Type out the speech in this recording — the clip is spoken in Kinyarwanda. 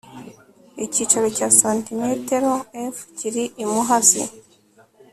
icyicaro cya c m f kiri i muhazi